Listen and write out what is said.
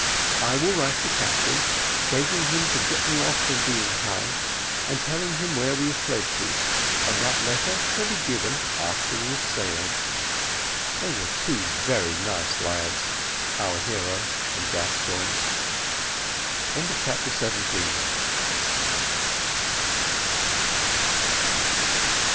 I will write to the captain, begging him to get me off from being hung, and telling him where we have fled to, and that letter shall be given after we have sailed." They were two very nice lads our hero and Gascoigne. CHAPTER EIGHTEEN.